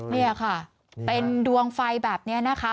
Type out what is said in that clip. นี่ค่ะเป็นดวงไฟแบบนี้นะคะ